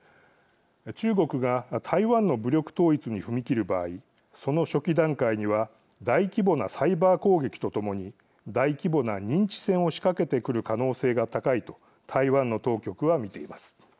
中国が台湾の武力統一に踏み切る場合その初期段階には大規模なサイバー攻撃とともに大規模な認知戦を仕掛けてくる可能性が高いと台湾の当局は見ています。